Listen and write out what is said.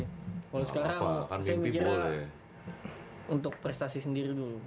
kalau sekarang saya mikirkan untuk prestasi sendiri dulu